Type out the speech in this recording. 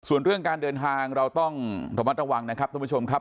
ส่วนเรื่องการเดินทางเราต้องระมัดระวังนะครับท่านผู้ชมครับ